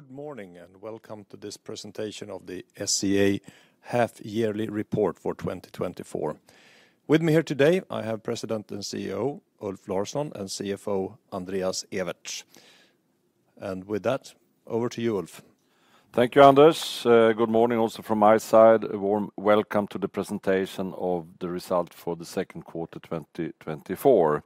Good morning and welcome to this presentation of the SCA half-yearly report for 2024. With me here today, I have President and CEO Ulf Larsson and CFO Andreas Ewertz. With that, over to you, Ulf. Thank you, Anders. Good morning also from my side, a warm welcome to the presentation of the results for the second quarter 2024.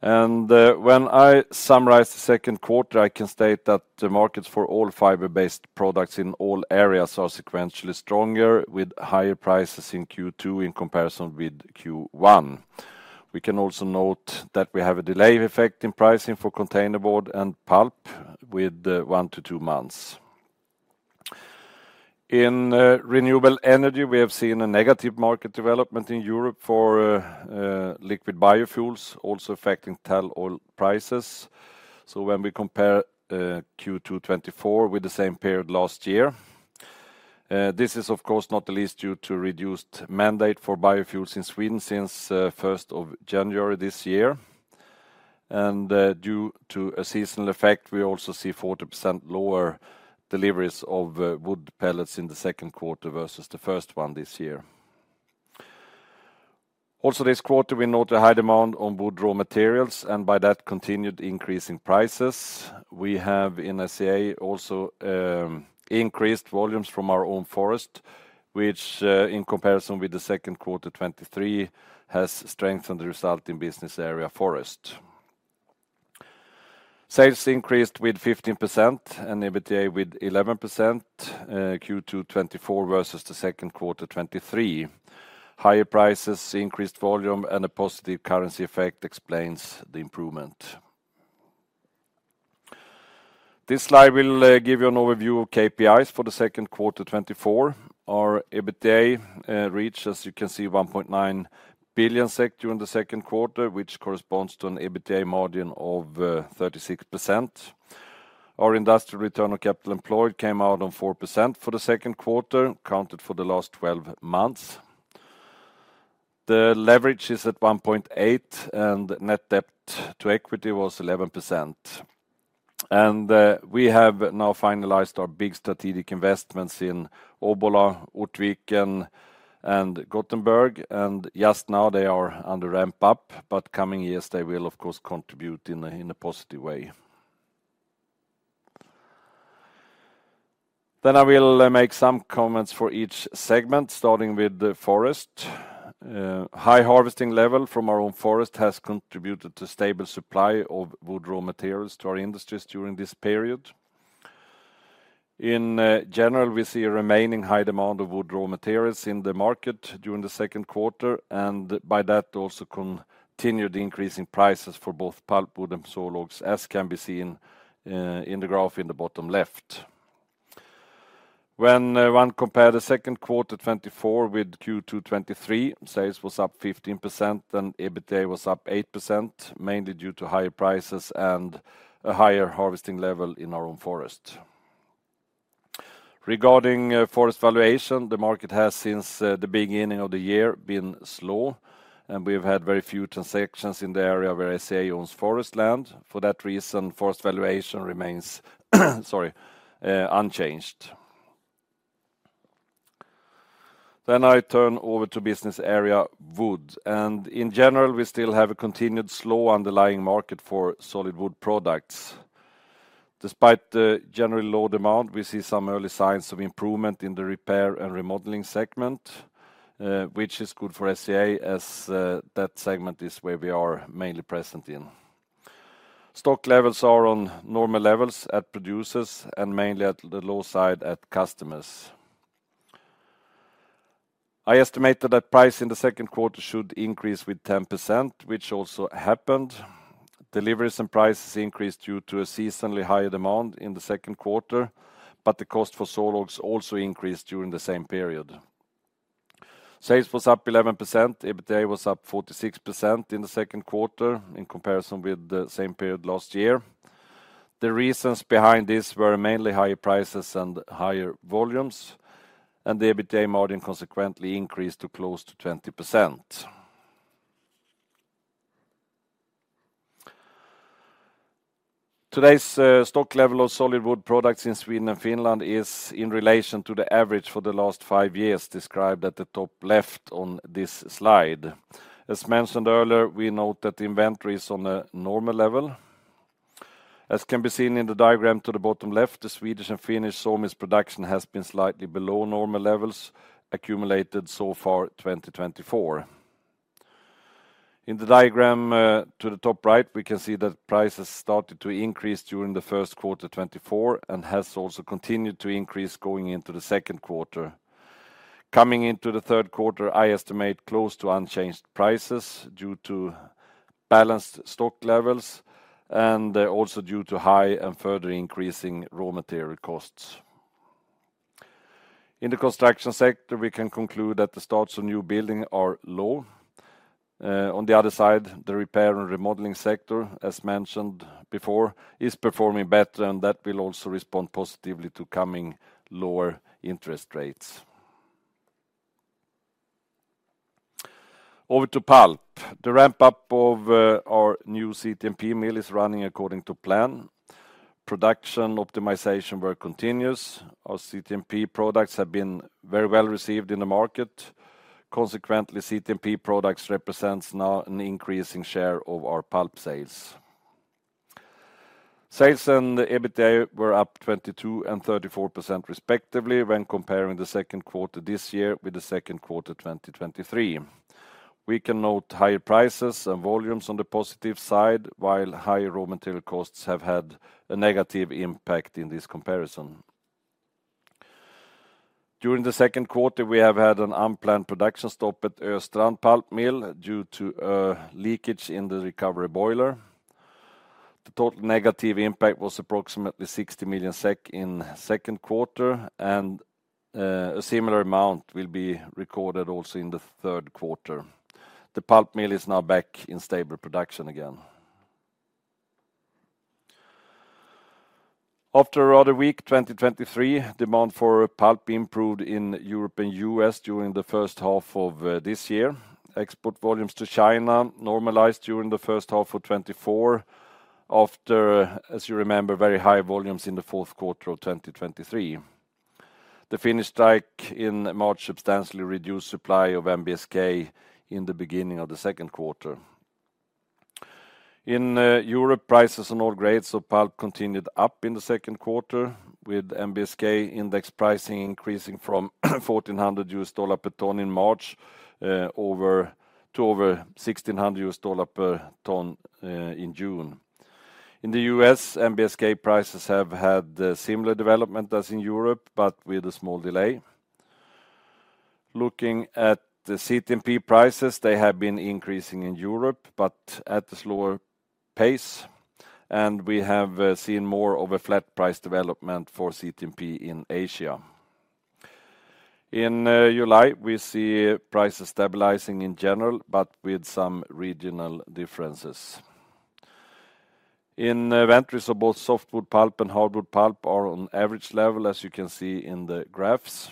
When I summarize the second quarter, I can state that the markets for all fiber-based products in all areas are sequentially stronger, with higher prices in Q2 in comparison with Q1. We can also note that we have a delay effect in pricing for containerboard and pulp, with 1-2 months. In renewable energy, we have seen a negative market development in Europe for liquid biofuels, also affecting tall oil prices. So when we compare Q2 2024 with the same period last year, this is of course not the least due to reduced mandate for biofuels in Sweden since January 1st this year. Due to a seasonal effect, we also see 40% lower deliveries of wood pellets in the second quarter versus the first one this year. Also this quarter, we note a high demand on wood raw materials and by that continued increase in prices. We have in SCA also increased volumes from our own forest, which in comparison with the second quarter 2023 has strengthened the result in business area forest. Sales increased with 15% and EBITDA with 11% Q2 2024 versus the second quarter 2023. Higher prices, increased volume, and a positive currency effect explains the improvement. This slide will give you an overview of KPIs for the second quarter 2024. Our EBITDA reached, as you can see, 1.9 billion SEK during the second quarter, which corresponds to an EBITDA margin of 36%. Our industrial return on capital employed came out on 4% for the second quarter, counted for the last 12 months. The leverage is at 1.8 and net debt to equity was 11%. We have now finalized our big strategic investments in Obbola, Ortviken and Gothenburg. Just now they are under ramp up, but coming years they will of course contribute in a positive way. I will make some comments for each segment, starting with forest. High harvesting level from our own forest has contributed to stable supply of wood raw materials to our industries during this period. In general, we see a remaining high demand of wood raw materials in the market during the second quarter, and by that also continued increase in prices for both pulpwood and sawlogs, as can be seen in the graph in the bottom left. When one compared the second quarter 2024 with Q2 2023, sales was up 15% and EBITDA was up 8%, mainly due to higher prices and a higher harvesting level in our own forest. Regarding forest valuation, the market has since the beginning of the year been slow, and we have had very few transactions in the area where SCA owns forest land. For that reason, forest valuation remains unchanged. Then I turn over to business area wood. In general, we still have a continued slow underlying market for solid wood products. Despite the generally low demand, we see some early signs of improvement in the repair and remodeling segment, which is good for SCA, as that segment is where we are mainly present in. Stock levels are on normal levels at producers and mainly at the low side at customers. I estimated that price in the second quarter should increase with 10%, which also happened. Deliveries and prices increased due to a seasonally higher demand in the second quarter, but the cost for saw logs also increased during the same period. Sales was up 11%, EBITDA was up 46% in the second quarter in comparison with the same period last year. The reasons behind this were mainly higher prices and higher volumes, and the EBITDA margin consequently increased to close to 20%. Today's stock level of solid wood products in Sweden and Finland is in relation to the average for the last five years described at the top left on this slide. As mentioned earlier, we note that the inventory is on a normal level. As can be seen in the diagram to the bottom left, the Swedish and Finnish sawmills production has been slightly below normal levels accumulated so far 2024. In the diagram to the top right, we can see that prices started to increase during the first quarter 2024 and has also continued to increase going into the second quarter. Coming into the third quarter, I estimate close to unchanged prices due to balanced stock levels and also due to high and further increasing raw material costs. In the construction sector, we can conclude that the starts of new building are low. On the other side, the repair and remodeling sector, as mentioned before, is performing better, and that will also respond positively to coming lower interest rates. Over to pulp. The ramp up of our new CTMP mill is running according to plan. Production optimization work continues. Our CTMP products have been very well received in the market. Consequently, CTMP products represent now an increasing share of our pulp sales. Sales and EBITDA were up 22% and 34% respectively when comparing the second quarter this year with the second quarter 2023. We can note higher prices and volumes on the positive side, while higher raw material costs have had a negative impact in this comparison. During the second quarter, we have had an unplanned production stop at Östrand pulp mill due to leakage in the recovery boiler. The total negative impact was approximately 60 million SEK in second quarter, and a similar amount will be recorded also in the third quarter. The pulp mill is now back in stable production again. After a rather weak 2023, demand for pulp improved in Europe and U.S. during the first half of this year. Export volumes to China normalized during the first half of 2024 after, as you remember, very high volumes in the fourth quarter of 2023. The Finnish strike in March substantially reduced supply of NBSK in the beginning of the second quarter. In Europe, prices on all grades of pulp continued up in the second quarter, with NBSK index pricing increasing from $1,400 per ton in March to over $1,600 per ton in June. In the U.S., NBSK prices have had similar development as in Europe, but with a small delay. Looking at the CTMP prices, they have been increasing in Europe, but at a slower pace, and we have seen more of a flat price development for CTMP in Asia. In July, we see prices stabilizing in general, but with some regional differences. Inventories of both softwood pulp and hardwood pulp are on average level, as you can see in the graphs.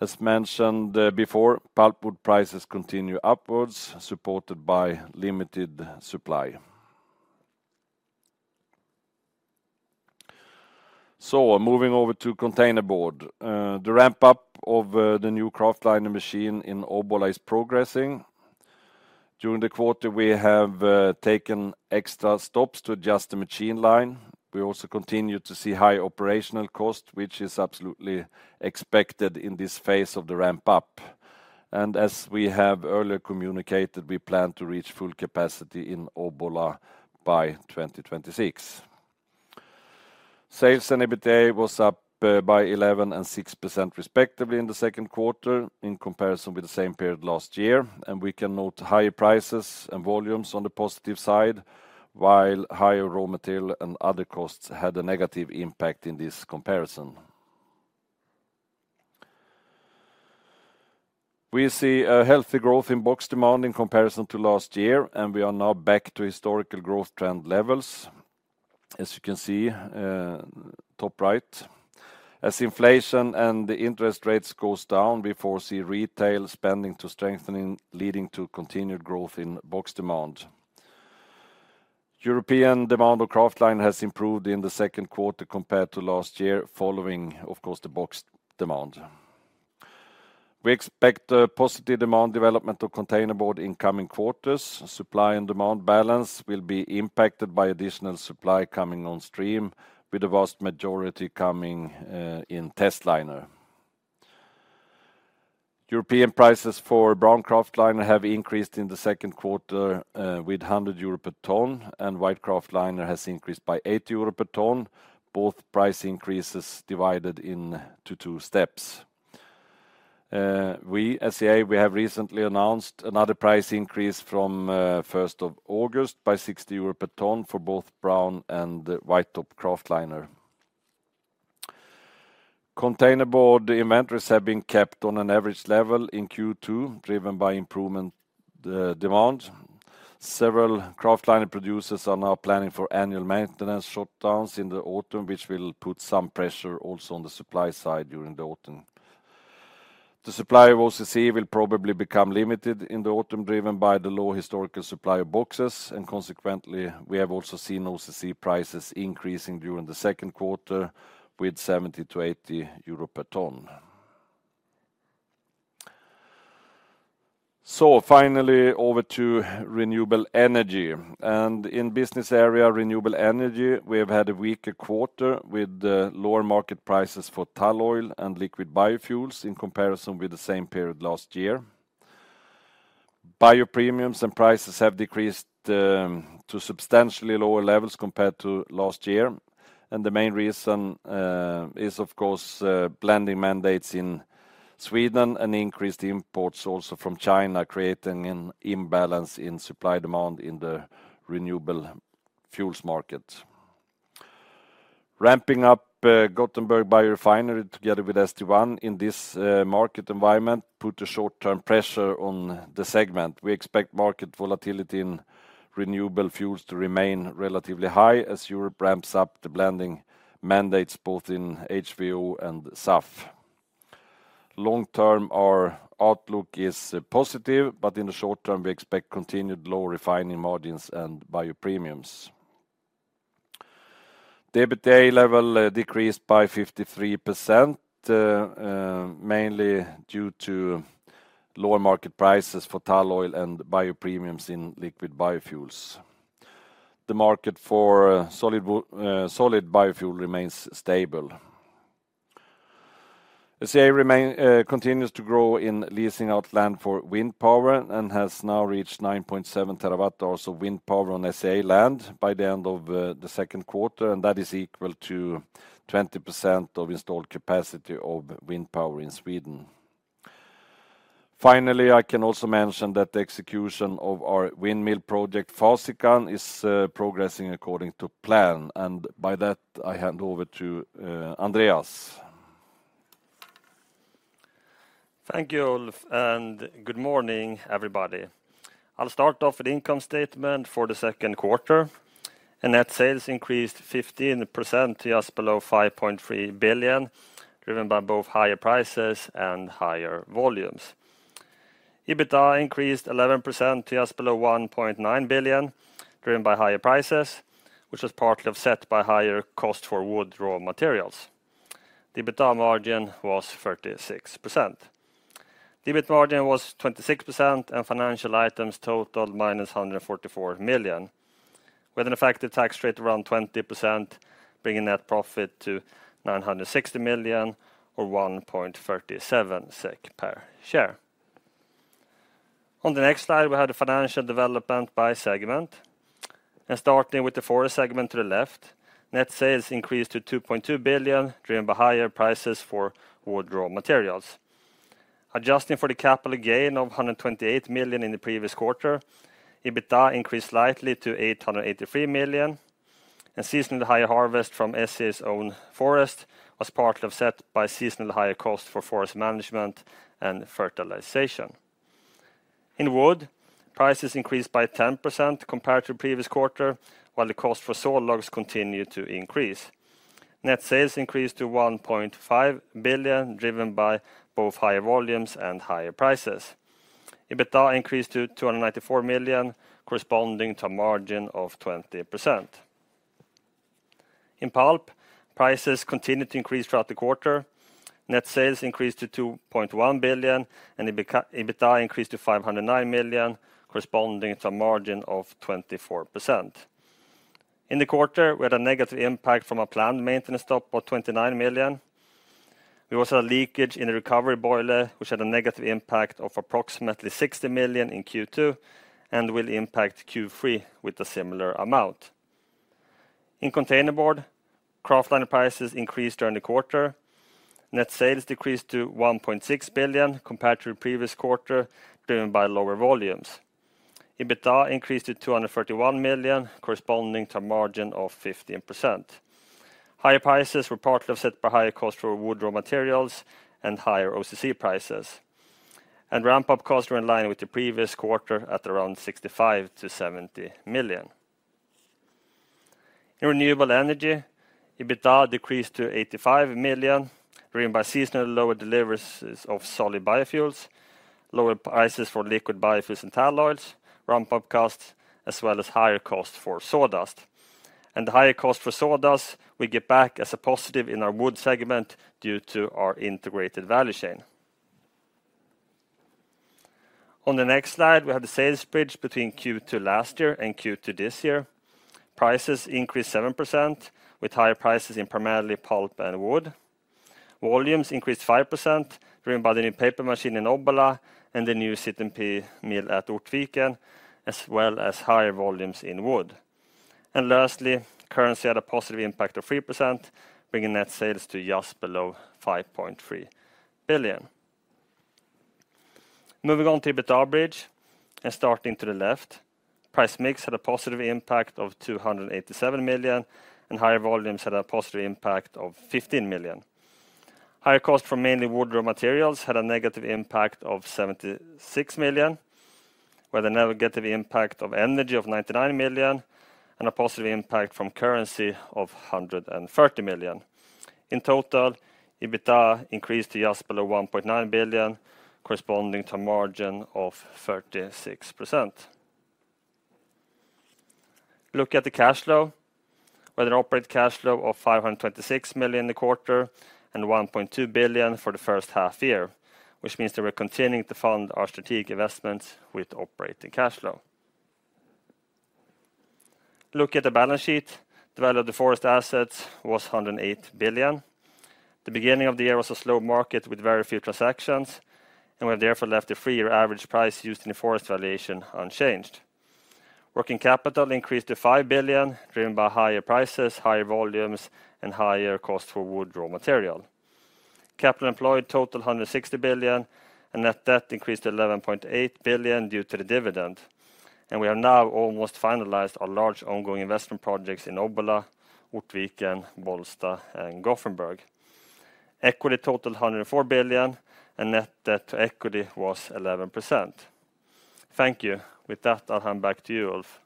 As mentioned before, pulpwood prices continue upwards, supported by limited supply. Moving over to containerboard. The ramp up of the new kraftliner machine in Obbola is progressing. During the quarter, we have taken extra stops to adjust the machine line. We also continue to see high operational cost, which is absolutely expected in this phase of the ramp up. As we have earlier communicated, we plan to reach full capacity in Obbola by 2026. Sales and EBITDA was up by 11% and 6% respectively in the second quarter in comparison with the same period last year. We can note higher prices and volumes on the positive side, while higher raw material and other costs had a negative impact in this comparison. We see a healthy growth in box demand in comparison to last year, and we are now back to historical growth trend levels. As you can see top right, as inflation and the interest rates go down, we foresee retail spending to strengthen, leading to continued growth in box demand. European demand of kraftliner has improved in the second quarter compared to last year, following, of course, the box demand. We expect a positive demand development of containerboard in coming quarters. Supply and demand balance will be impacted by additional supply coming on stream, with the vast majority coming in testliner. European prices for brown kraftliner have increased in the second quarter with 100 euro per ton, and white kraftliner has increased by 80 euro per ton. Both price increases divided into two steps. We, SCA, we have recently announced another price increase from August 1st by 60 euro per ton for both brown and white-top kraftliner. Containerboard inventories have been kept on an average level in Q2, driven by improved demand. Several kraftliner producers are now planning for annual maintenance shutdowns in the autumn, which will put some pressure also on the supply side during the autumn. The supply of OCC will probably become limited in the autumn, driven by the historically low supply of boxes. And consequently, we have also seen OCC prices increasing during the second quarter with 70-80 euro per ton. So finally, over to renewable energy. And in business area renewable energy, we have had a weaker quarter with lower market prices for tall oil and liquid biofuels in comparison with the same period last year. Bio premiums and prices have decreased to substantially lower levels compared to last year. The main reason is, of course, blending mandates in Sweden and increased imports also from China, creating an imbalance in supply and demand in the renewable fuels market. Ramping up Gothenburg Biorefinery together with St1 in this market environment put a short-term pressure on the segment. We expect market volatility in renewable fuels to remain relatively high as Europe ramps up the blending mandates both in HVO and SAF. Long-term, our outlook is positive, but in the short term, we expect continued low refining margins and bio premiums. The EBITDA level decreased by 53%, mainly due to lower market prices for tall oil and bio premiums in liquid biofuels. The market for solid biofuel remains stable. SCA continues to grow in leasing out land for wind power and has now reached 9.7 TWh of wind power on SCA land by the end of the second quarter, and that is equal to 20% of installed capacity of wind power in Sweden. Finally, I can also mention that the execution of our windmill project, Fasikan, is progressing according to plan. By that, I hand over to Andreas. Thank you, Ulf, and good morning, everybody. I'll start off with the income statement for the second quarter. Net sales increased 15% to just below 5.3 billion, driven by both higher prices and higher volumes. EBITDA increased 11% to just below 1.9 billion, driven by higher prices, which was partly offset by higher costs for wood raw materials. The EBITDA margin was 36%. The EBITDA margin was 26%, and financial items totaled -144 million, with an effective tax rate around 20%, bringing net profit to 960 million or 1.37 SEK per share. On the next slide, we have the financial development by segment. Starting with the forest segment to the left, net sales increased to 2.2 billion, driven by higher prices for wood raw materials. Adjusting for the capital gain of 128 million in the previous quarter, EBITDA increased slightly to 883 million. Seasonally higher harvest from SCA's own forest was partly offset by seasonally higher costs for forest management and fertilization. In wood, prices increased by 10% compared to the previous quarter, while the cost for saw logs continued to increase. Net sales increased to 1.5 billion, driven by both higher volumes and higher prices. EBITDA increased to 294 million, corresponding to a margin of 20%. In pulp, prices continued to increase throughout the quarter. Net sales increased to 2.1 billion, and EBITDA increased to 509 million, corresponding to a margin of 24%. In the quarter, we had a negative impact from a planned maintenance stop of 29 million. We also had a leakage in the recovery boiler, which had a negative impact of approximately 60 million in Q2 and will impact Q3 with a similar amount. In containerboard, kraftliner prices increased during the quarter. Net sales decreased to 1.6 billion compared to the previous quarter, driven by lower volumes. EBITDA increased to 231 million, corresponding to a margin of 15%. Higher prices were partly offset by higher costs for wood raw materials and higher OCC prices. Ramp up costs were in line with the previous quarter at around 65 million-70 million. In renewable energy, EBITDA decreased to 85 million, driven by seasonally lower deliveries of solid biofuels, lower prices for liquid biofuels and tall oils, ramp up costs, as well as higher costs for sawdust. The higher cost for sawdust, we get back as a positive in our wood segment due to our integrated value chain. On the next slide, we have the sales bridge between Q2 last year and Q2 this year. Prices increased 7% with higher prices in primarily pulp and wood. Volumes increased 5%, driven by the new paper machine in Obbola and the new CTMP mill at Ortviken, as well as higher volumes in wood. Lastly, currency had a positive impact of 3%, bringing net sales to just below 5.3 billion. Moving on to EBITDA bridge, and starting to the left, price mix had a positive impact of 287 million, and higher volumes had a positive impact of 15 million. Higher costs from mainly wood raw materials had a negative impact of 76 million, with a negative impact of energy of 99 million, and a positive impact from currency of 130 million. In total, EBITDA increased to just below 1.9 billion, corresponding to a margin of 36%. Look at the cash flow, with an operating cash flow of 526 million in the quarter and 1.2 billion for the first half year, which means that we're continuing to fund our strategic investments with operating cash flow. Look at the balance sheet. The value of the forest assets was 108 billion. The beginning of the year was a slow market with very few transactions, and we have therefore left the three-year average price used in the forest valuation unchanged. Working capital increased to 5 billion, driven by higher prices, higher volumes, and higher costs for wood raw material. Capital employed totaled 160 billion, and net debt increased to 11.8 billion due to the dividend. And we have now almost finalized our large ongoing investment projects in Obbola, Ortviken, Bollsta, and Gothenburg. Equity totaled 104 billion, and net debt to equity was 11%. Thank you. With that, I'll hand back to you, Ulf.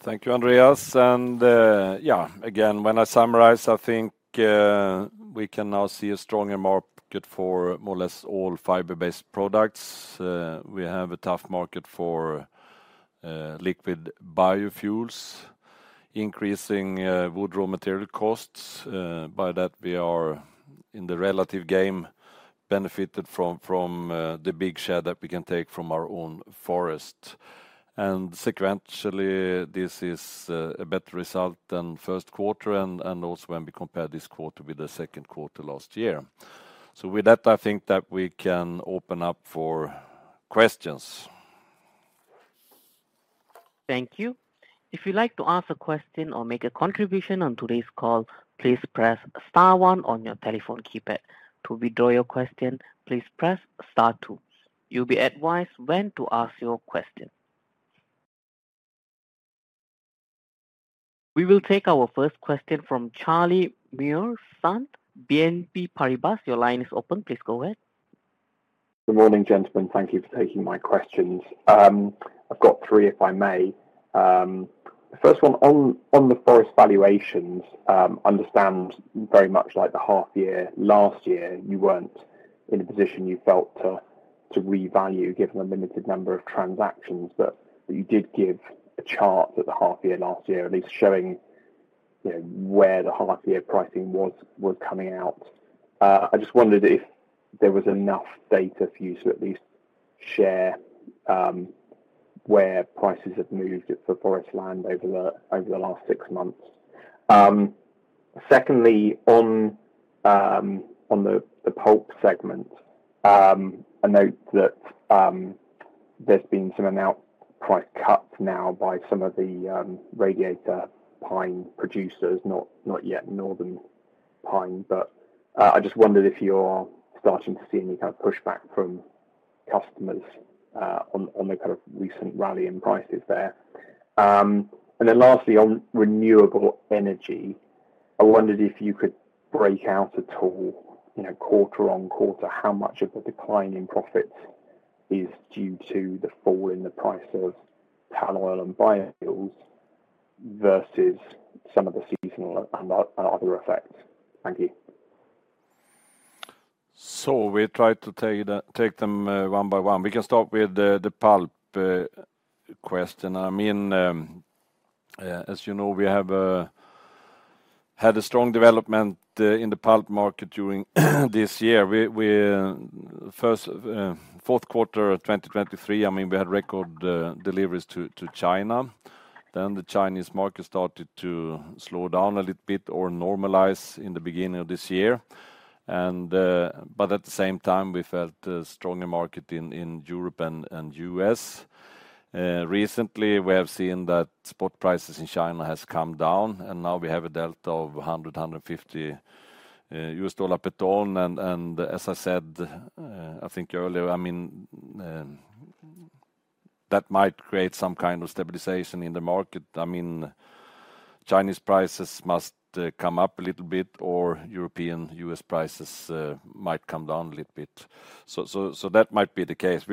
Thank you, Andreas. And yeah, again, when I summarize, I think we can now see a stronger market for more or less all fiber-based products. We have a tough market for liquid biofuels, increasing wood raw material costs. By that, we are, in the relative game, benefited from the big share that we can take from our own forest. And sequentially, this is a better result than first quarter, and also when we compare this quarter with the second quarter last year. So with that, I think that we can open up for questions. Thank you. If you'd like to ask a question or make a contribution on today's call, please press star one on your telephone keypad. To withdraw your question, please press star two. You'll be advised when to ask your question. We will take our first question from Charlie Muir-Sands, BNP Paribas. Your line is open. Please go ahead. Good morning, gentlemen. Thank you for taking my questions. I've got three, if I may. The first one, on the forest valuations, I understand very much like the half-year last year, you weren't in a position you felt to revalue, given the limited number of transactions. But you did give a chart at the half-year last year, at least showing where the half-year pricing was coming out. I just wondered if there was enough data for you to at least share where prices have moved for forest land over the last six months. Secondly, on the pulp segment, I note that there's been some amount price cuts now by some of the radiata pine producers, not yet northern pine. But I just wondered if you're starting to see any kind of pushback from customers on the kind of recent rally in prices there. And then lastly, on renewable energy, I wondered if you could break out at all, quarter-on-quarter, how much of the decline in profits is due to the fall in the price of tall oil and biofuels versus some of the seasonal and other effects? Thank you. So we'll try to take them one by one. We can start with the pulp question. I mean, as you know, we have had a strong development in the pulp market during this year. Fourth quarter of 2023, I mean, we had record deliveries to China. Then the Chinese market started to slow down a little bit or normalize in the beginning of this year. But at the same time, we've had a stronger market in Europe and the U.S. Recently, we have seen that spot prices in China have come down, and now we have a delta of $100-$150 per ton. And as I said, I mean, that might create some kind of stabilization in the market. I mean, Chinese prices must come up a little bit, or European U.S. prices might come down a little bit. So that might be the case.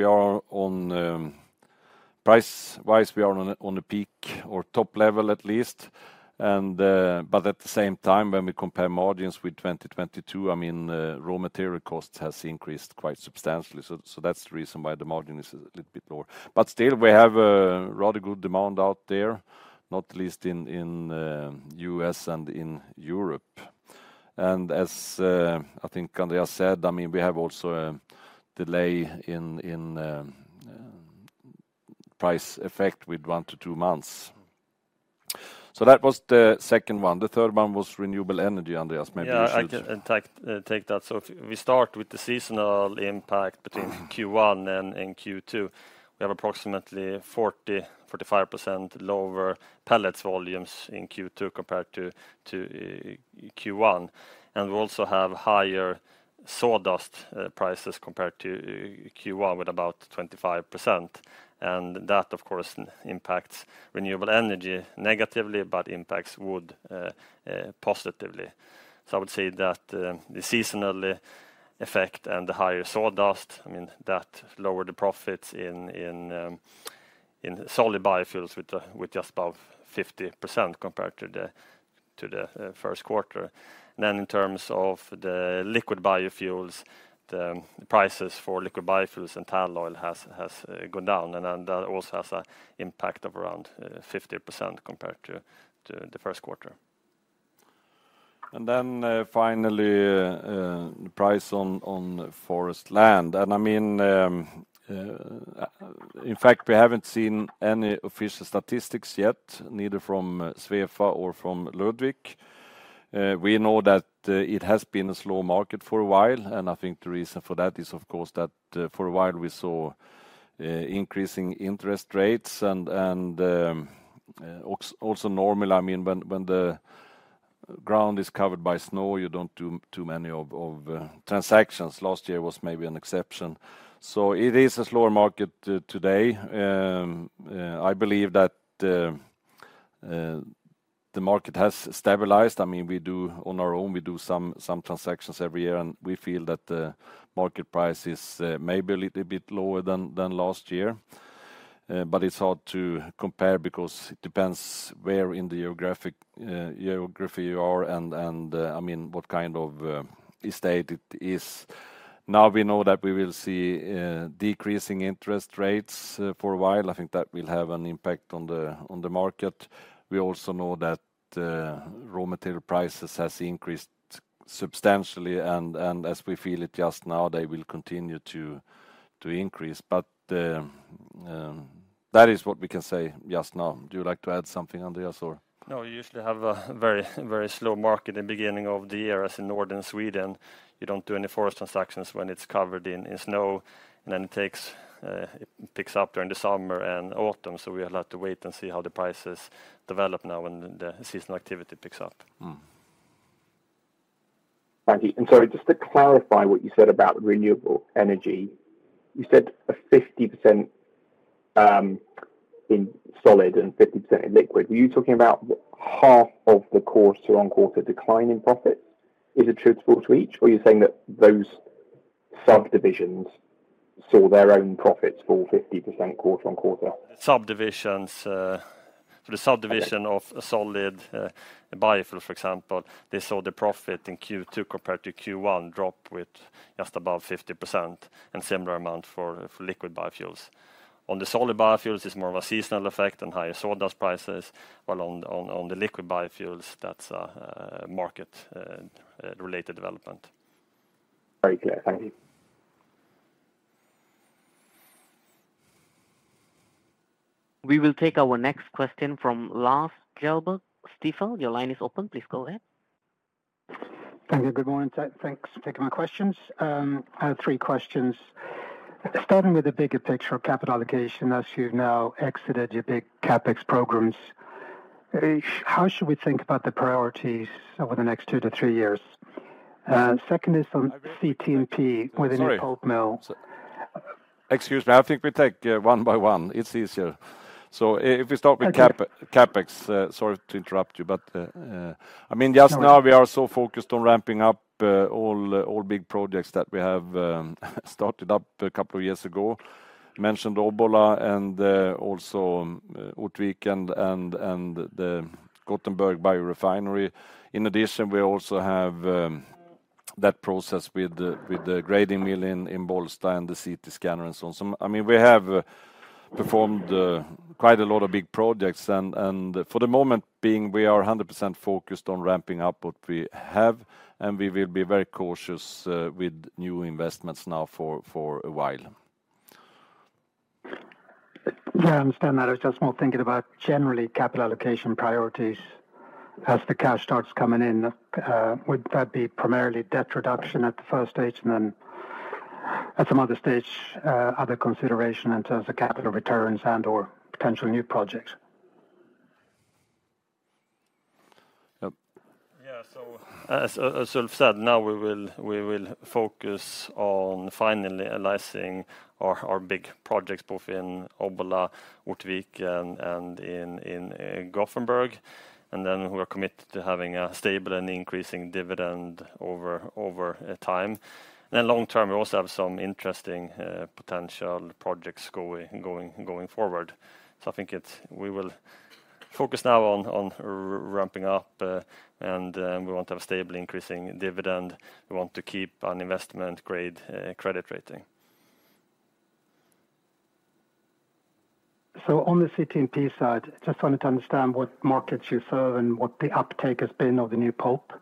Price-wise, we are on a peak or top level, at least. But at the same time, when we compare margins with 2022, I mean, raw material costs have increased quite substantially. So that's the reason why the margin is a little bit lower. But still, we have a rather good demand out there, not least in the U.S. and in Europe. And as I think Andreas said, I mean, we have also a delay in price effect with 1-2 months. So that was the second one. The third one was renewable energy, Andreas. Maybe you should. Yeah, I can take that. So we start with the seasonal impact between Q1 and Q2. We have approximately 40%-45% lower pellets volumes in Q2 compared to Q1. And we also have higher sawdust prices compared to Q1 with about 25%. And that, of course, impacts renewable energy negatively, but impacts wood positively. So I would say that the seasonal effect and the higher sawdust, I mean, that lowered the profits in solid biofuels with just about 50% compared to the first quarter. Then in terms of the liquid biofuels, the prices for liquid biofuels and tall oil have gone down. That also has an impact of around 50% compared to the first quarter. And then finally, the price on forest land. And I mean, in fact, we haven't seen any official statistics yet, neither from Svefa or from Ludvig. We know that it has been a slow market for a while. And I think the reason for that is, of course, that for a while we saw increasing interest rates. And also normally, I mean, when the ground is covered by snow, you don't do too many transactions. Last year was maybe an exception. So it is a slower market today. I believe that the market has stabilized. I mean, on our own, we do some transactions every year, and we feel that the market price is maybe a little bit lower than last year. But it's hard to compare because it depends where in the geography you are and, I mean, what kind of estate it is. Now we know that we will see decreasing interest rates for a while. I think that will have an impact on the market. We also know that raw material prices have increased substantially. And as we feel it just now, they will continue to increase. But that is what we can say just now. Do you like to add something, Andreas, or? No, you usually have a very slow market in the beginning of the year, as in northern Sweden. You don't do any forest transactions when it's covered in snow, and then it picks up during the summer and autumn. So we'll have to wait and see how the prices develop now when the seasonal activity picks up. Thank you. Sorry, just to clarify what you said about renewable energy. You said 50% in solid and 50% in liquid. Were you talking about half of the quarter-on-quarter decline in profits? Is it true to each, or are you saying that those subdivisions saw their own profits fall 50% quarter-on-quarter? Subdivisions. So the subdivision of solid biofuels, for example, they saw the profit in Q2 compared to Q1 drop with just about 50% and a similar amount for liquid biofuels. On the solid biofuels, it's more of a seasonal effect and higher sawdust prices, while on the liquid biofuels, that's a market-related development. Very clear. Thank you. We will take our next question from Lars Kjellberg, Stifel, your line is open. Please go ahead. Thank you. Good morning. Thanks for taking my questions. I have three questions. Starting with the bigger picture, capital allocation, as you've now exited your big CapEx programs. How should we think about the priorities over the next two to three years? Second is on CTMP. With any pulp mill. Excuse me. I think we take one by one. It's easier. So if we start with CapEx, sorry to interrupt you, but I mean, just now we are so focused on ramping up all big projects that we have started up a couple of years ago. Mentioned Obbola and also Ortviken and the Gothenburg biorefinery. In addition, we also have that process with the grading mill in Bollsta and the CT scanner and so on. So I mean, we have performed quite a lot of big projects. And for the moment being, we are 100% focused on ramping up what we have, and we will be very cautious with new investments now for a while. Yeah, I understand that. I was just more thinking about generally capital allocation priorities as the cash starts coming in. Would that be primarily debt reduction at the first stage and then at some other stage, other consideration in terms of capital returns and/or potential new projects? Yeah, so as Ulf said, now we will focus on finally analyzing our big projects both in Obbola, Ortviken, and in Gothenburg. And then we are committed to having a stable and increasing dividend over time. And then long term, we also have some interesting potential projects going forward. So I think we will focus now on ramping up, and we want to have a stable increasing dividend. We want to keep an investment-grade credit rating. So on the CTMP side, just wanted to understand what markets you serve and what the uptake has been of the new pulp.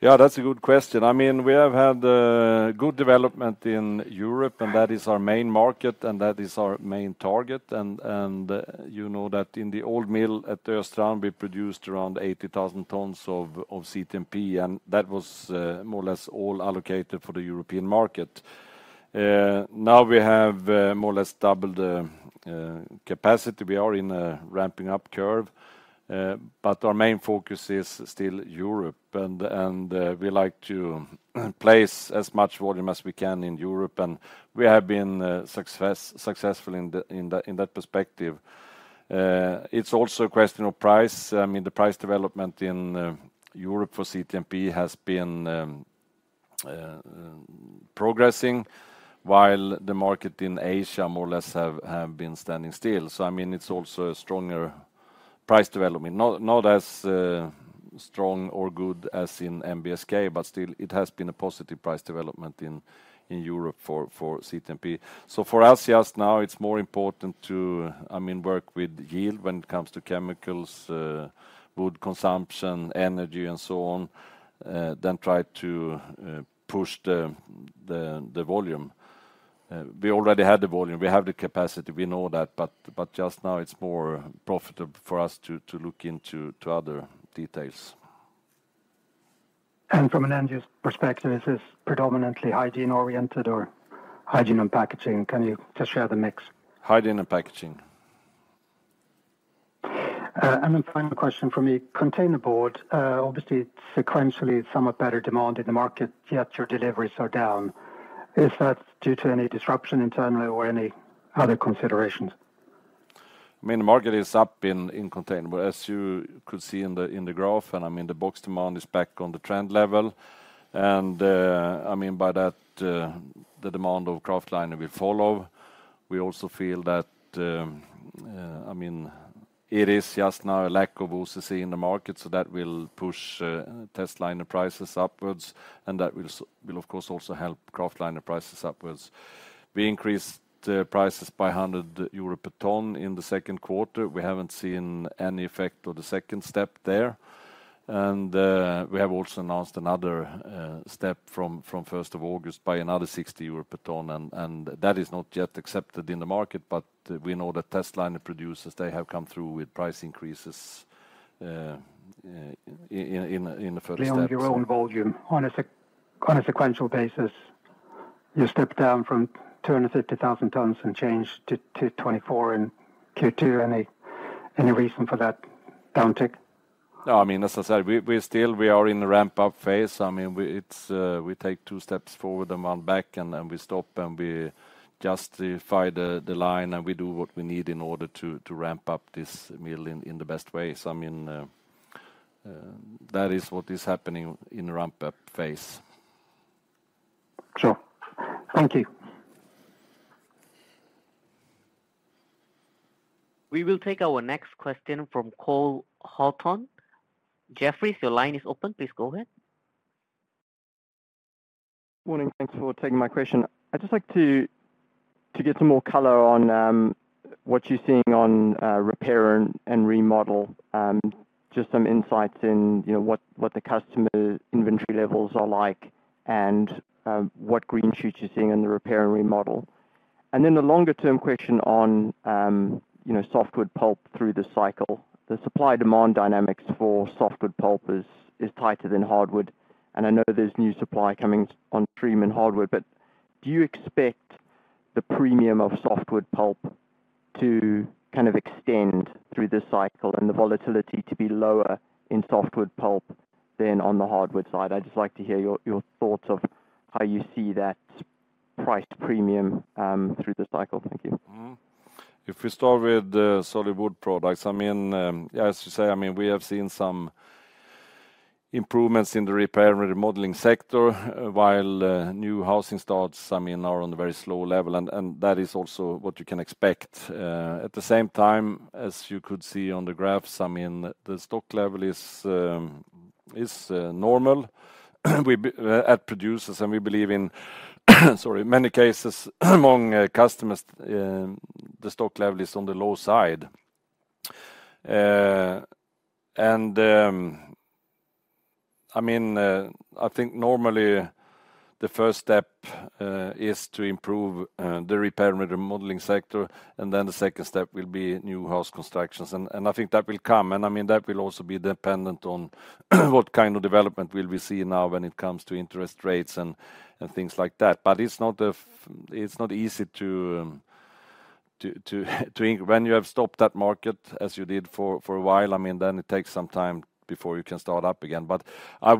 Yeah, that's a good question. I mean, we have had good development in Europe, and that is our main market, and that is our main target. And you know that in the old mill at Ortviken, we produced around 80,000 tons of CTMP, and that was more or less all allocated for the European market. Now we have more or less doubled the capacity. We are in a ramping-up curve, but our main focus is still Europe. And we like to place as much volume as we can in Europe, and we have been successful in that perspective. It's also a question of price. I mean, the price development in Europe for CTMP has been progressing, while the market in Asia more or less has been standing still. So I mean, it's also a stronger price development, not as strong or good as in NBSK, but still it has been a positive price development in Europe for CTMP. So for us, just now, it's more important to, I mean, work with yield when it comes to chemicals, wood consumption, energy, and so on, than try to push the volume. We already had the volume. We have the capacity. We know that. But just now, it's more profitable for us to look into other details. And from an end-use perspective, is this predominantly hygiene-oriented or hygiene and packaging? Can you just share the mix? Hygiene and packaging. And then final question for me. Containerboard, obviously, sequentially somewhat better demand in the market, yet your deliveries are down. Is that due to any disruption internally or any other considerations? I mean, the market is up in containerboard, as you could see in the graph. And I mean, by that, the demand of kraftliner will follow. We also feel that, I mean, it is just now a lack of OCC in the market, so that will push testliner prices upwards. And that will, of course, also help kraftliner prices upwards. We increased prices by 100 euro per ton in the second quarter. We haven't seen any effect of the second step there. And we have also announced another step from August 1st by another 60 euro per ton. That is not yet accepted in the market, but we know that test liner producers, they have come through with price increases in the first step. Your own volume on a sequential basis, you stepped down from 250,000 tons and changed to 240,000 in Q2. Any reason for that downtick? No, I mean, as I said, we are in the ramp-up phase. I mean, we take two steps forward and one back, and we stop, and we justify the line, and we do what we need in order to ramp up this mill in the best way. So I mean, that is what is happening in the ramp-up phase. Sure. Thank you. We will take our next question from Cole Hathorn, Jefferies, your line is open. Please go ahead. Good morning. Thanks for taking my question. I'd just like to get some more color on what you're seeing on repair and remodel, just some insights in what the customer inventory levels are like and what green shoot you're seeing in the repair and remodel. And then a longer-term question on softwood pulp through the cycle. The supply-demand dynamics for softwood pulp is tighter than hardwood. And I know there's new supply coming on stream in hardwood, but do you expect the premium of softwood pulp to kind of extend through the cycle and the volatility to be lower in softwood pulp than on the hardwood side? I'd just like to hear your thoughts of how you see that price premium through the cycle. Thank you. If we start with solid wood products, I mean, yeah, as you say, I mean, we have seen some improvements in the repair and remodeling sector, while new housing starts, I mean, are on a very slow level. That is also what you can expect. At the same time, as you could see on the graphs, I mean, the stock level is normal at producers. We believe in, sorry, in many cases, among customers, the stock level is on the low side. I mean, I think normally the first step is to improve the repair and remodeling sector, and then the second step will be new house constructions. I think that will come. I mean, that will also be dependent on what kind of development will we see now when it comes to interest rates and things like that. But it's not easy to, when you have stopped that market, as you did for a while. I mean, then it takes some time before you can start up again. But I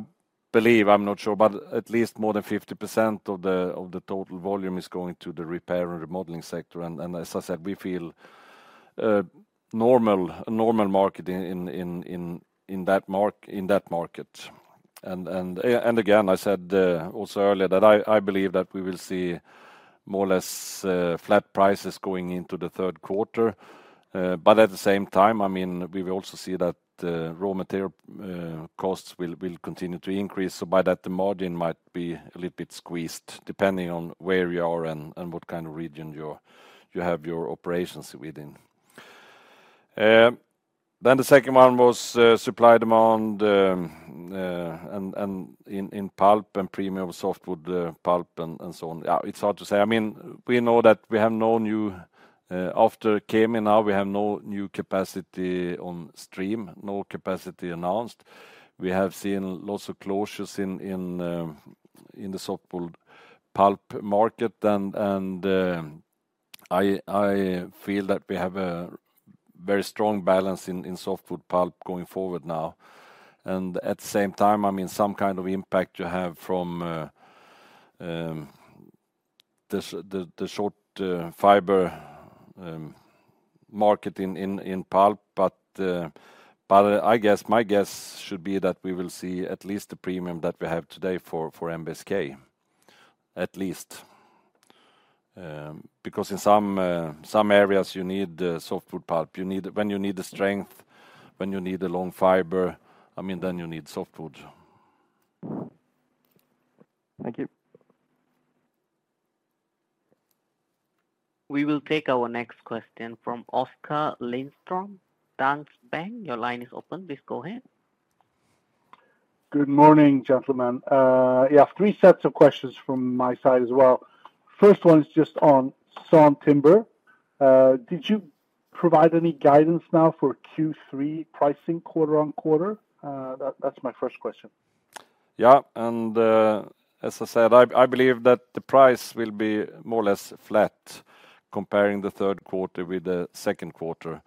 believe, I'm not sure, but at least more than 50% of the total volume is going to the repair and remodeling sector. And as I said, we feel normal market in that market. And again, I said also earlier that I believe that we will see more or less flat prices going into the third quarter. But at the same time, I mean, we will also see that raw material costs will continue to increase. So by that, the margin might be a little bit squeezed, depending on where you are and what kind of region you have your operations within. Then the second one was supply-demand in pulp and premium softwood pulp and so on. Yeah, it's hard to say. I mean, we know that we have no new, after Kemi now, we have no new capacity on stream, no capacity announced. We have seen lots of closures in the softwood pulp market. And I feel that we have a very strong balance in softwood pulp going forward now. And at the same time, I mean, some kind of impact you have from the short fiber market in pulp. But I guess my guess should be that we will see at least the premium that we have today for NBSK, at least. Because in some areas, you need softwood pulp. When you need the strength, when you need the long fiber, I mean, then you need softwood. Thank you. We will take our next question from Oskar Lindström, Danske Bank. Your line is open. Please go ahead. Good morning, gentlemen. Yeah, three sets of questions from my side as well. First one is just on sawn timber. Did you provide any guidance now for Q3 pricing quarter on quarter? That's my first question. Yeah. And as I said, I believe that the price will be more or less flat comparing the third quarter with the second quarter.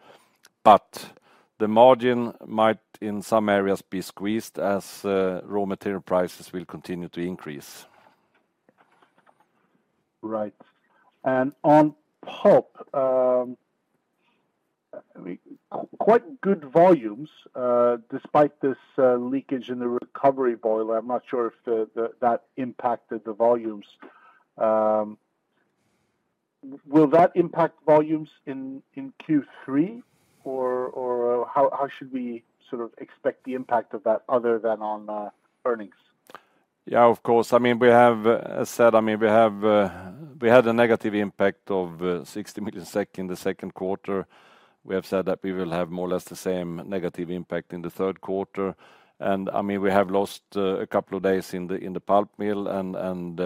But the margin might, in some areas, be squeezed as raw material prices will continue to increase. Right. And on pulp, quite good volumes despite this leakage in the recovery boiler. I'm not sure if that impacted the volumes. Will that impact volumes in Q3, or how should we sort of expect the impact of that other than on earnings? Yeah, of course. I mean, as I said, I mean, we had a negative impact of 60,000 tons in the second quarter. We have said that we will have more or less the same negative impact in the third quarter. And I mean, we have lost a couple of days in the pulp mill, and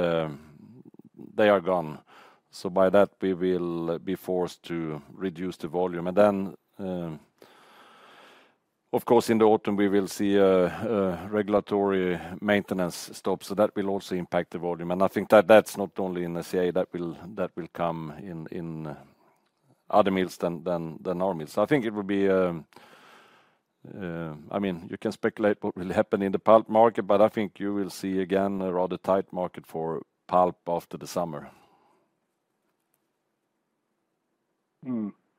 they are gone. So by that, we will be forced to reduce the volume. And then, of course, in the autumn, we will see regulatory maintenance stops. So that will also impact the volume. And I think that that's not only in the SCA that will come in other mills than our mills. So I think it will be, I mean, you can speculate what will happen in the pulp market, but I think you will see again a rather tight market for pulp after the summer.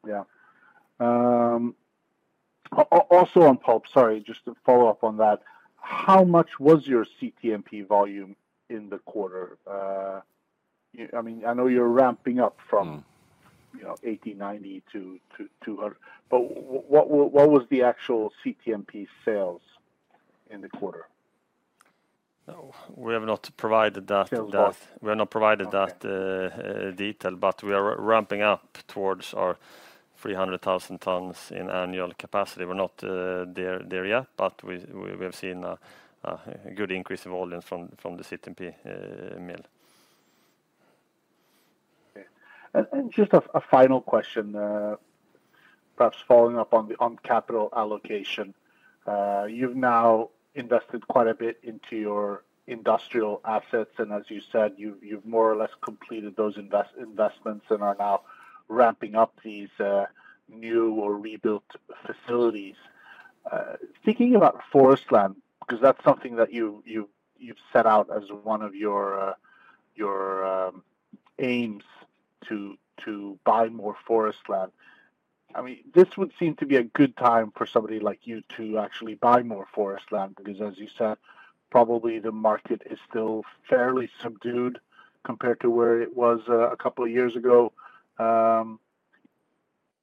Yeah. Also on pulp, sorry, just to follow up on that, how much was your CTMP volume in the quarter? I mean, I know you're ramping up from 80, 90 to 200. But what was the actual CTMP sales in the quarter? We have not provided that. Still, boss. We have not provided that detail, but we are ramping up towards our 300,000 tons in annual capacity. We're not there yet, but we have seen a good increase in volume from the CTMP mill. Okay. And just a final question, perhaps following up on capital allocation. You've now invested quite a bit into your industrial assets. And as you said, you've more or less completed those investments and are now ramping up these new or rebuilt facilities. Thinking about forest land, because that's something that you've set out as one of your aims to buy more forest land, I mean, this would seem to be a good time for somebody like you to actually buy more forest land, because as you said, probably the market is still fairly subdued compared to where it was a couple of years ago.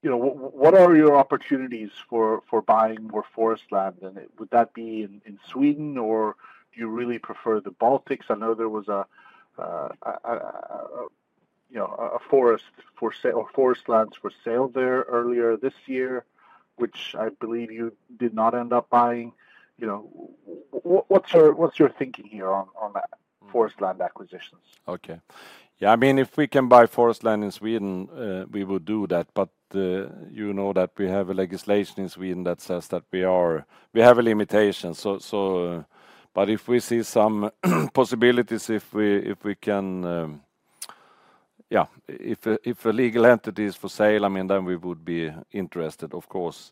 What are your opportunities for buying more forest land? And would that be in Sweden, or do you really prefer the Baltics? I know there was a forest or forest lands for sale there earlier this year, which I believe you did not end up buying. What's your thinking here on that forest land acquisitions? Okay. Yeah. I mean, if we can buy forest land in Sweden, we will do that. But you know that we have a legislation in Sweden that says that we have limitations. But if we see some possibilities, if we can, yeah, if a legal entity is for sale, I mean, then we would be interested, of course.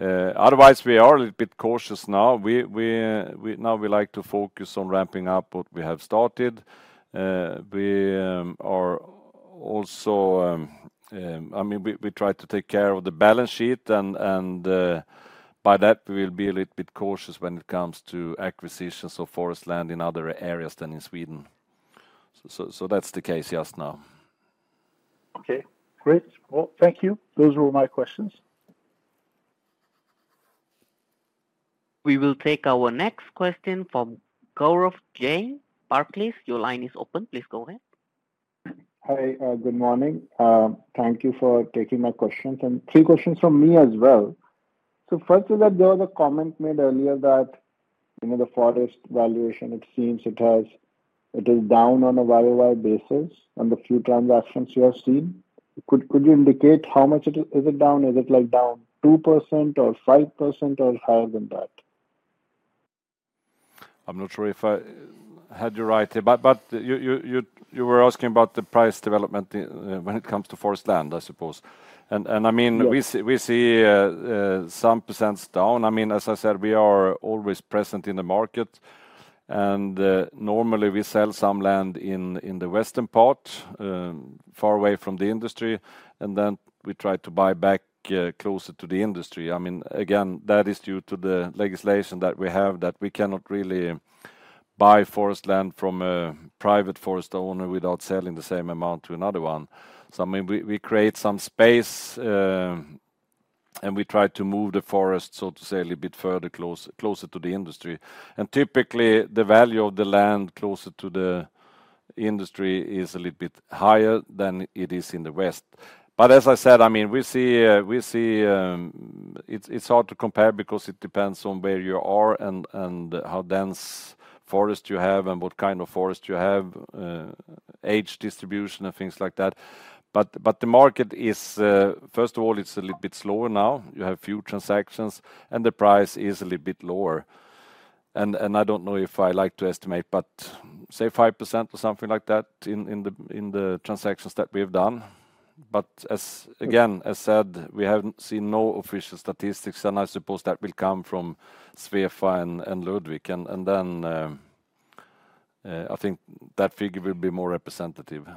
Otherwise, we are a little bit cautious now. Now we like to focus on ramping up what we have started. We are also, I mean, we try to take care of the balance sheet. And by that, we will be a little bit cautious when it comes to acquisitions of forest land in other areas than in Sweden. So that's the case just now. Okay. Great. Well, thank you. Those were my questions. We will take our next question from Gaurav Jain, Barclays, your line is open. Please go ahead. Hi. Good morning. Thank you for taking my questions. And three questions from me as well. So first of all, there was a comment made earlier that the forest valuation, it seems it is down on a very wide basis on the few transactions you have seen. Could you indicate how much is it down? Is it like down 2% or 5% or higher than that? I'm not sure if I had you right here. You were asking about the price development when it comes to forest land, I suppose. I mean, we see some percentage down. I mean, as I said, we are always present in the market. Normally, we sell some land in the western part, far away from the industry. Then we try to buy back closer to the industry. I mean, again, that is due to the legislation that we have that we cannot really buy forest land from a private forest owner without selling the same amount to another one. So I mean, we create some space, and we try to move the forest, so to say, a little bit further closer to the industry. And typically, the value of the land closer to the industry is a little bit higher than it is in the west. But as I said, I mean, we see it's hard to compare because it depends on where you are and how dense forest you have and what kind of forest you have, age distribution, and things like that. But the market is, first of all, it's a little bit slower now. You have few transactions, and the price is a little bit lower. I don't know if I like to estimate, but say 5% or something like that in the transactions that we have done. But again, as I said, we haven't seen no official statistics. And I suppose that will come from Svefa and Ludvig. And then I think that figure will be more representative.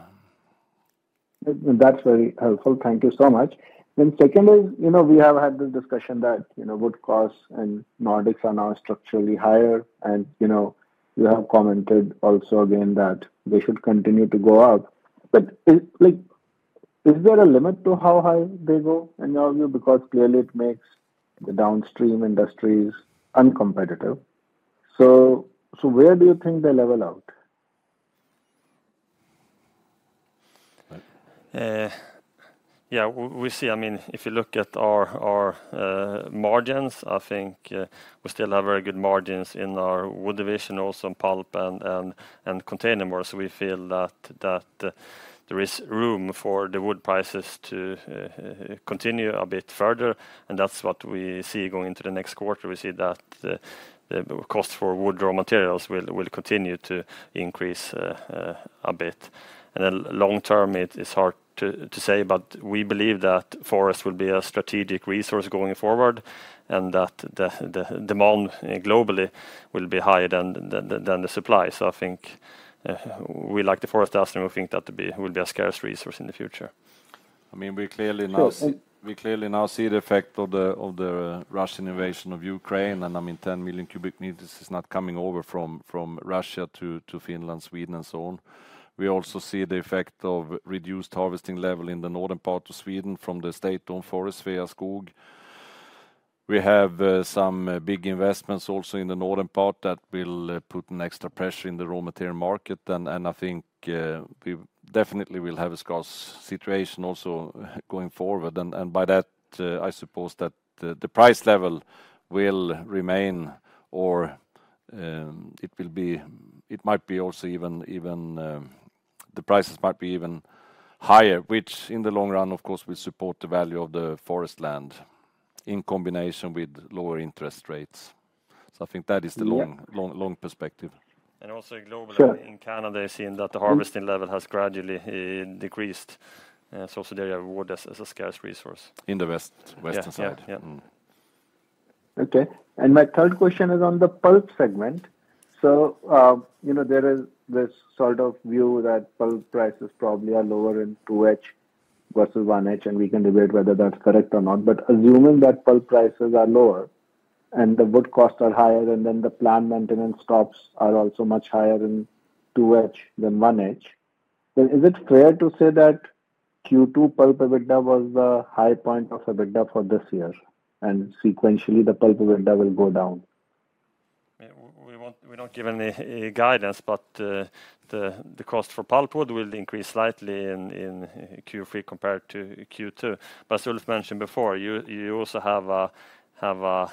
That's very helpful. Thank you so much. And secondly, we have had the discussion that wood costs and Nordics are now structurally higher. And you have commented also again that they should continue to go up. But is there a limit to how high they go in your view? Because clearly, it makes the downstream industries uncompetitive. So where do you think they level out? Yeah. We see, I mean, if you look at our margins, I think we still have very good margins in our wood division, also in pulp and container wood. So we feel that there is room for the wood prices to continue a bit further. And that's what we see going into the next quarter. We see that the cost for wood raw materials will continue to increase a bit. And then long term, it is hard to say, but we believe that forest will be a strategic resource going forward and that the demand globally will be higher than the supply. So I think we like the forest industry. We think that will be a scarce resource in the future. I mean, we clearly now see the effect of the Russian invasion of Ukraine. And I mean, 10 million cu m is not coming over from Russia to Finland, Sweden, and so on. We also see the effect of reduced harvesting level in the northern part of Sweden from the state-owned forests, Sveaskog. We have some big investments also in the northern part that will put an extra pressure in the raw material market. I think we definitely will have a scarce situation also going forward. And by that, I suppose that the price level will remain, or it might be also even the prices might be even higher, which in the long run, of course, will support the value of the forest land in combination with lower interest rates. So I think that is the long perspective. And also globally in Canada, you've seen that the harvesting level has gradually decreased. So also there you have wood as a scarce resource. In the western side. Yeah. Okay. And my third question is on the pulp segment. So there is this sort of view that pulp prices probably are lower in 2H versus 1H, and we can debate whether that's correct or not. But assuming that pulp prices are lower and the wood costs are higher, and then the plant maintenance stops are also much higher in 2H than 1H, then is it fair to say that Q2 pulp EBITDA was the high point of EBITDA for this year? And sequentially, the pulp EBITDA will go down. We don't give any guidance, but the cost for pulp wood will increase slightly in Q3 compared to Q2. But as we've mentioned before, you also have a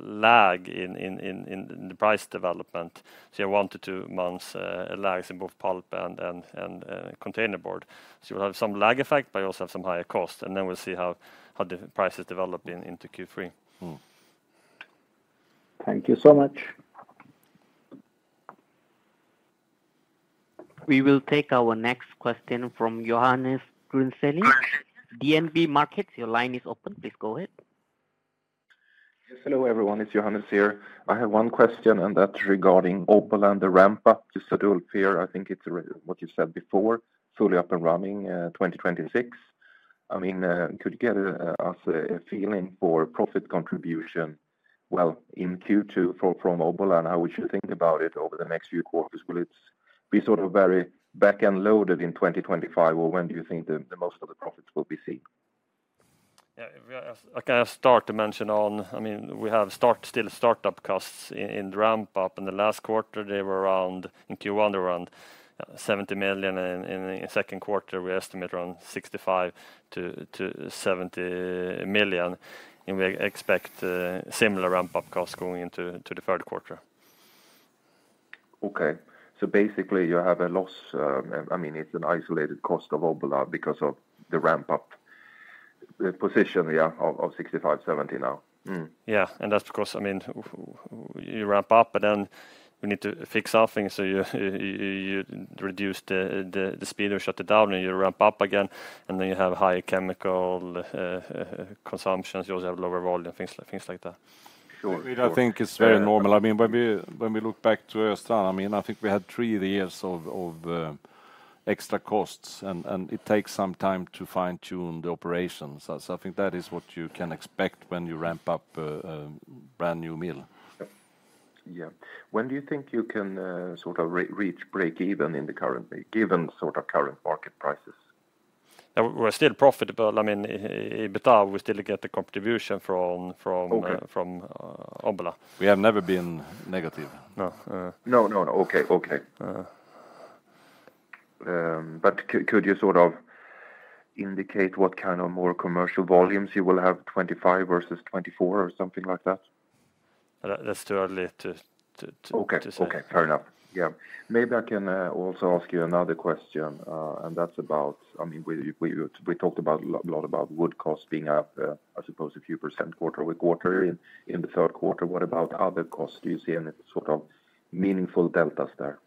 lag in the price development. So you have one to two months lags in both pulp and container board. So you will have some lag effect, but you also have some higher cost. And then we'll see how the prices develop into Q3. Thank you so much. We will take our next question from Johannes Grunselius, DNB Markets, your line is open. Please go ahead. Yes. Hello, everyone. It's Johannes here. I have one question, and that's regarding Obbola and the ramp up. You said earlier, I think it's what you said before, fully up and running 2026. I mean, could you get us a feeling for profit contribution, well, in Q2 from Obbola? And how would you think about it over the next few quarters? Will it be sort of very back-end loaded in 2025, or when do you think most of the profits will be seen? Yeah. I can start to mention on, I mean, we have still startup costs in the ramp up. In the last quarter, they were around, in Q1, around 70 million. In the second quarter, we estimate around 65 million-70 million. We expect similar ramp up costs going into the third quarter. Okay. So basically, you have a loss. I mean, it's an isolated cost of Obbola because of the ramp up position, yeah, of 65 million-70 million now. Yeah. And that's because, I mean, you ramp up, and then we need to fix something. So you reduce the speed and shut it down, and you ramp up again. And then you have higher chemical consumption. You also have lower volume, things like that. Sure. I think it's very normal. I mean, when we look back to Östrand, I mean, I think we had three years of extra costs, and it takes some time to fine-tune the operations. So I think that is what you can expect when you ramp up a brand new mill. Yeah. When do you think you can sort of reach break-even in the current, given sort of current market prices? We're still profitable. I mean, EBITDA, we still get the contribution from Obbola. We have never been negative. No. No, no, no. Okay, okay. But could you sort of indicate what kind of more commercial volumes you will have 2025 versus 2024 or something like that? That's too early to say. Okay. Okay. Fair enough. Yeah. Maybe I can also ask you another question, and that's about, I mean, we talked a lot about wood costs being up, I suppose, a few percentage quarter-over-quarter in the third quarter. What about other costs? Do you see any sort of meaningful deltas there?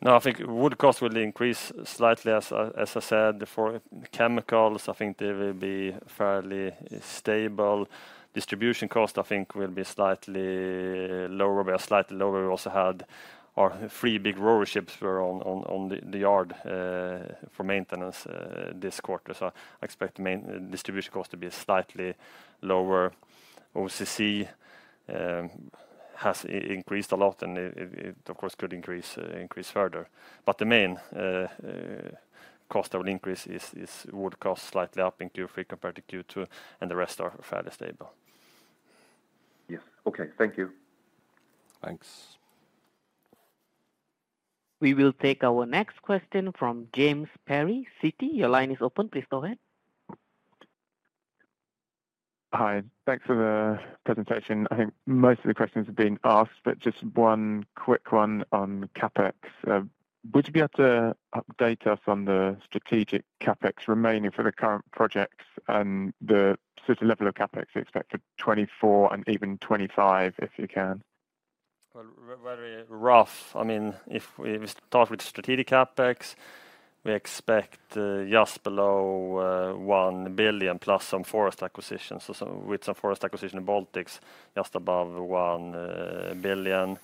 No, I think wood costs will increase slightly, as I said. For chemicals, I think they will be fairly stable. Distribution costs, I think, will be slightly lower, but slightly lower. We also had our three big RORO ships on the yard for maintenance this quarter. So I expect distribution costs to be slightly lower. OCC has increased a lot, and it, of course, could increase further. But the main cost that will increase is wood costs slightly up in Q3 compared to Q2, and the rest are fairly stable. Yes. Okay. Thank you. Thanks. We will take our next question from James Perry, Citi. Your line is open. Please go ahead. Hi. Thanks for the presentation. I think most of the questions have been asked, but just one quick one on CapEx. Would you be able to update us on the strategic CapEx remaining for the current projects and the sort of level of CapEx you expect for 2024 and even 2025, if you can? Well, very rough. I mean, if we start with strategic CapEx, we expect just below 1 billion plus on forest acquisition. So with some forest acquisition in Baltics, just above 1 billion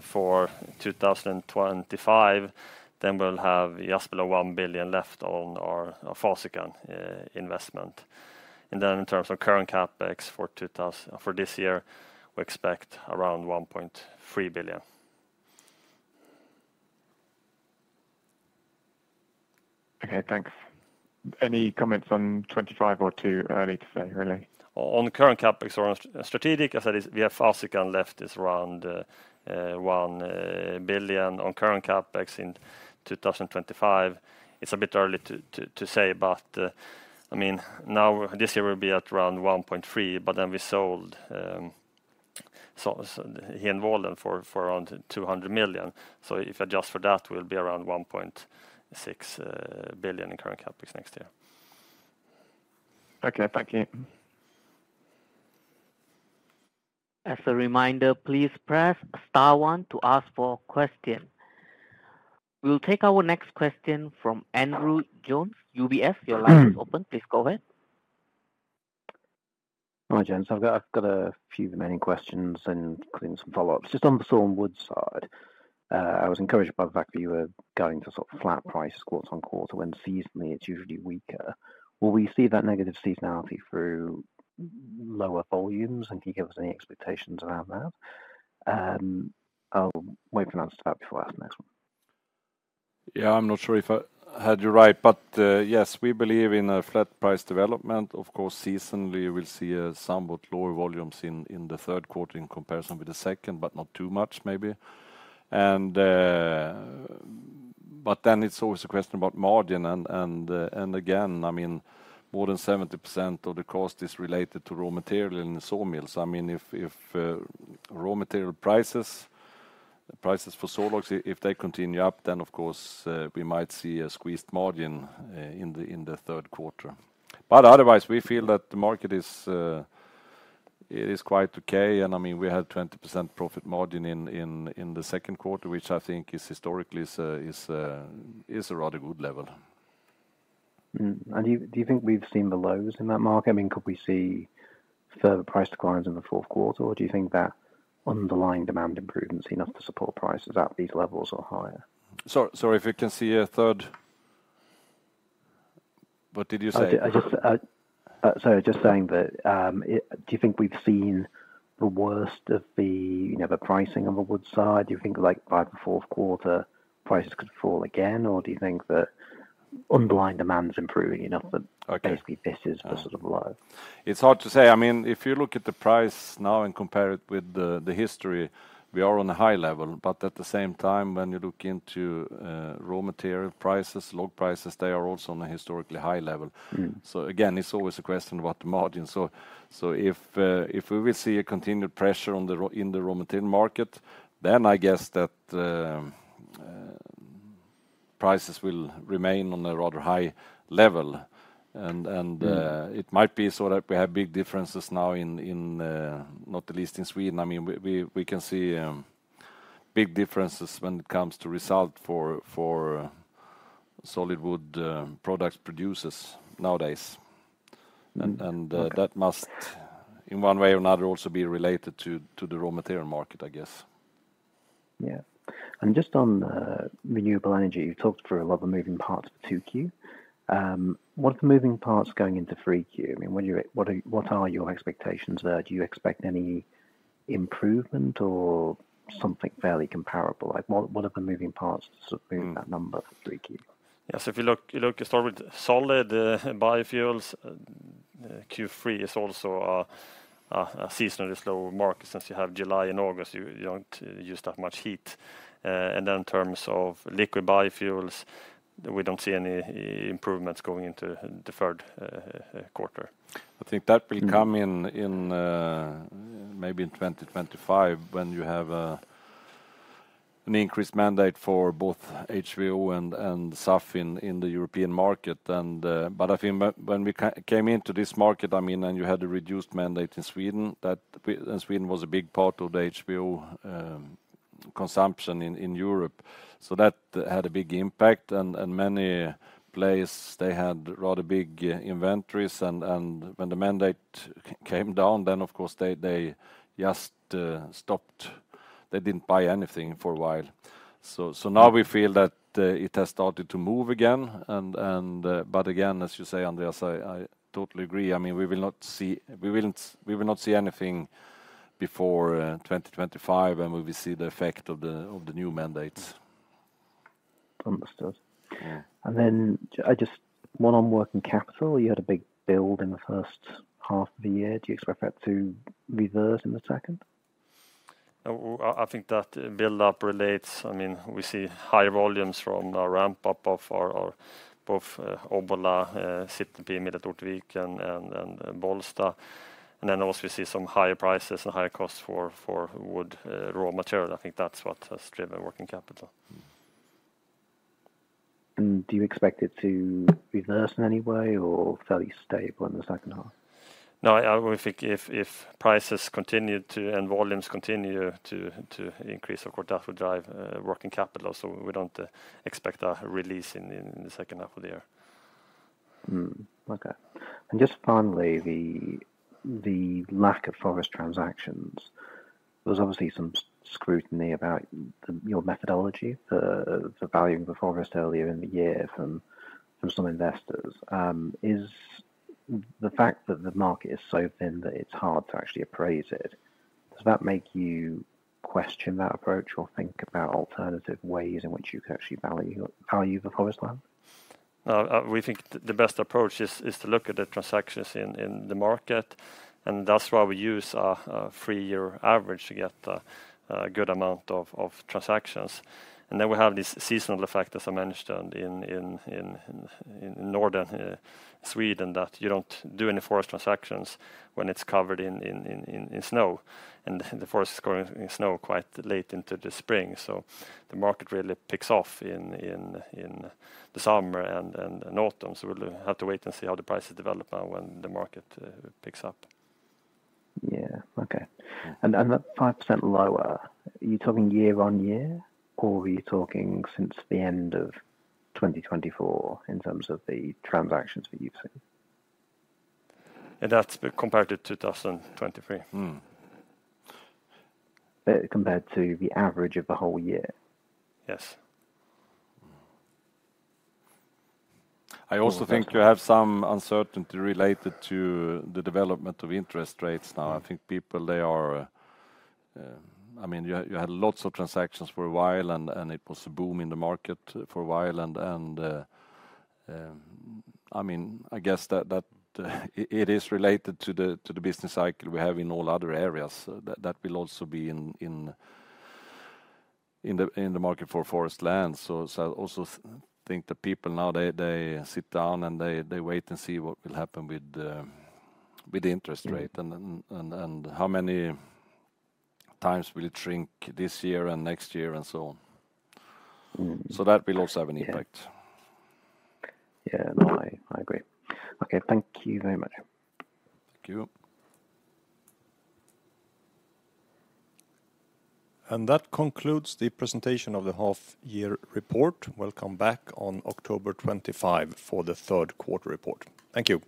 for 2025. Then we'll have just below 1 billion left on our Fasikan investment. And then in terms of current CapEx for this year, we expect around SEK 1.3 billion. Okay. Thanks. Any comments on 2025 or too early to say, really? On current CapEx or strategic, as I said, we have Fasikan left is around 1 billion on current CapEx in 2025. It's a bit early to say, but I mean, now this year will be at around 1.3 billion, but then we sold Henvålen for around 200 million. So if you adjust for that, we'll be around 1.6 billion in current CapEx next year. Okay. Thank you. As a reminder, please press star one to ask a question. We'll take our next question from Andrew Jones, UBS. Your line is open. Please go ahead. Hi, Ulf. I've got a few remaining questions and some follow-ups. Just on the solid wood side, I was encouraged by the fact that you were going to sort of flat price quarter on quarter when seasonally it's usually weaker. Will we see that negative seasonality through lower volumes? And can you give us any expectations around that? I'll wait for an answer to that before I ask the next one. Yeah, I'm not sure if I heard you right, but yes, we believe in a flat price development. Of course, seasonally, we'll see somewhat lower volumes in the third quarter in comparison with the second, but not too much, maybe. But then it's always a question about margin. And again, I mean, more than 70% of the cost is related to raw material in the sawmills. I mean, if raw material prices, prices for saw logs, if they continue up, then of course, we might see a squeezed margin in the third quarter. But otherwise, we feel that the market is quite okay. And I mean, we had 20% profit margin in the second quarter, which I think historically is a rather good level. And do you think we've seen the lows in that market? I mean, could we see further price declines in the fourth quarter? Or do you think that underlying demand improvement is enough to support prices at these levels or higher? Sorry, if you can see a third, what did you say? Sorry, just saying that do you think we've seen the worst of the pricing on the wood side? Do you think by the fourth quarter, prices could fall again? Or do you think that underlying demand is improving enough that basically this is the sort of low? It's hard to say. I mean, if you look at the price now and compare it with the history, we are on a high level. But at the same time, when you look into raw material prices, log prices, they are also on a historically high level. So again, it's always a question about the margin. So if we will see a continued pressure in the raw material market, then I guess that prices will remain on a rather high level. And it might be so that we have big differences now, not the least in Sweden. I mean, we can see big differences when it comes to result for solid wood products producers nowadays. And that must, in one way or another, also be related to the raw material market, I guess. Yeah. And just on renewable energy, you've talked through a lot of moving parts for 2Q. What are the moving parts going into 3Q? I mean, what are your expectations there? Do you expect any improvement or something fairly comparable? What are the moving parts to sort of move that number for 3Q? Yeah. So if you look at solid biofuels, Q3 is also a seasonally slow market since you have July and August. You don't use that much heat. And then in terms of liquid biofuels, we don't see any improvements going into the third quarter. I think that will come in maybe in 2025 when you have an increased mandate for both HVO and SAF in the European market. But I think when we came into this market, I mean, and you had a reduced mandate in Sweden, and Sweden was a big part of the HVO consumption in Europe. So that had a big impact. And many players, they had rather big inventories. And when the mandate came down, then of course, they just stopped. They didn't buy anything for a while. So now we feel that it has started to move again. But again, as you say, Andrew, I totally agree. I mean, we will not see anything before 2025, and we will see the effect of the new mandates. Understood. And then just one on working capital. You had a big build in the first half of the year. Do you expect that to revert in the second? I think that build-up relates. I mean, we see higher volumes from our ramp up of both Obbola, PM1, and Bollsta. And then also we see some higher prices and higher costs for wood raw material. I think that's what has driven working capital. And do you expect it to reverse in any way or fairly stable in the second half? No, I think if prices continue to and volumes continue to increase, of course, that will drive working capital. So we don't expect a release in the second half of the year. Okay. And just finally, the lack of forest transactions. There was obviously some scrutiny about your methodology for valuing the forest earlier in the year from some investors. Is the fact that the market is so thin that it's hard to actually appraise it, does that make you question that approach or think about alternative ways in which you could actually value the forest land? We think the best approach is to look at the transactions in the market. And that's why we use a three-year average to get a good amount of transactions. And then we have this seasonal effect, as I mentioned, in northern Sweden, that you don't do any forest transactions when it's covered in snow. And the forest is covered in snow quite late into the spring. So the market really picks off in the summer and autumn. So we'll have to wait and see how the prices develop now when the market picks up. Yeah. Okay. And that 5% lower, are you talking year on year or are you talking since the end of 2024 in terms of the transactions that you've seen? And that's compared to 2023? Compared to the average of the whole year? Yes. I also think you have some uncertainty related to the development of interest rates now. I think people, they are, I mean, you had lots of transactions for a while, and it was a boom in the market for a while. And I mean, I guess that it is related to the business cycle we have in all other areas. That will also be in the market for forest land. So I also think that people now, they sit down and they wait and see what will happen with the interest rate and how many times will it shrink this year and next year and so on. So that will also have an impact. Yeah. No, I agree. Okay. Thank you very much. Thank you. And that concludes the presentation of the half-year report. We'll come back on October 25 for the third quarter report. Thank you.